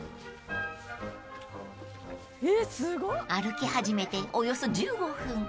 ［歩き始めておよそ１５分］